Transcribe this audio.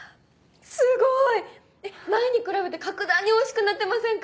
すごい！えっ前に比べて格段においしくなってませんか？